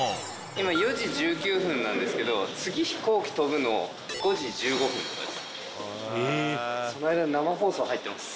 今４時１９分なんですけど次飛行機飛ぶの５時１５分です。